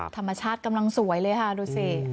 ธรรมชาติกำลังสวยเลยค่ะดูสิ